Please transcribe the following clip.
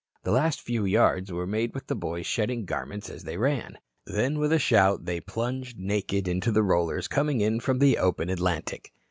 The last few yards were made with the boys shedding garments as they ran. Then with a shout they plunged naked into the rollers coming in from the open Atlantic.